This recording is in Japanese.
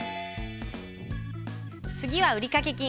次は売掛金。